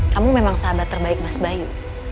kamu memang sahabat terbaik mas bayu